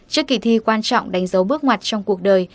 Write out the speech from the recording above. trước kỳ thi quan trọng đánh dấu bước ngoặt trong cuộc đời